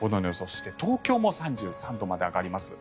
そして、東京も３３度まで上がります。